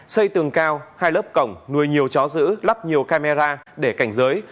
xây tường cao hai lớp cổng nuôi nhiều chó giữ lắp nhiều camera để cảnh giới